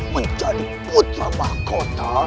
menjadi putra makota